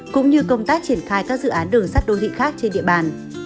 cũng như công tác triển khai các dự án đường sắt đô thị khác trên địa bàn